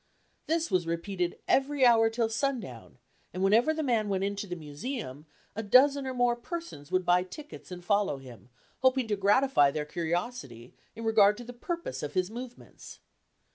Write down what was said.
This was repeated every hour till sundown and whenever the man went into the Museum a dozen or more persons would buy tickets and follow him, hoping to gratify their curiosity in regard to the purpose of his movements.